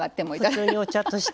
普通にお茶として。